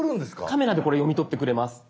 カメラでこれ読み取ってくれます。